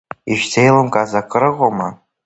Ишәзеилымкааз акрыҟоума?